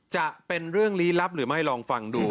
จะเป็นเรื่องลี้ลับหรือไม่ลองฟังดู